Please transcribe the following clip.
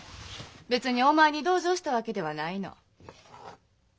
別にお前に同情したわけではないの。